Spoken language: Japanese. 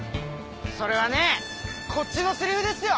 それはねこっちのセリフですよ。